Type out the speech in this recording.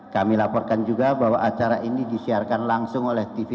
kami laporkan juga bahwa acara ini disiarkan langsung oleh tv